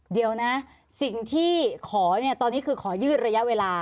เดี๋ยวนะสิ่งที่ขอนี้คือขอยืดระยะเวลา